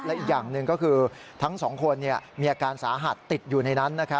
และอีกอย่างหนึ่งก็คือทั้งสองคนมีอาการสาหัสติดอยู่ในนั้น